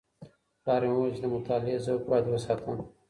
پلار مي وويل چي د مطالعې ذوق بايد وساتم.